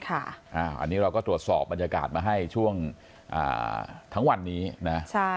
อันนี้เราก็ตรวจสอบบรรยากาศมาให้ช่วงทั้งวันนี้นะ